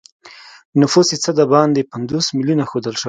نفوس یې څه د باندې پنځوس میلیونه ښودل شوی.